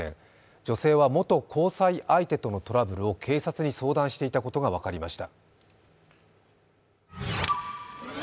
女性は元交際相手とのトラブルを警察に相談していたことが分かりました。